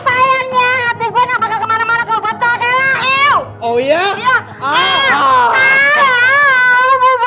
ih sayangnya hati gue gak bakal kemana mana keluar buat lo kayla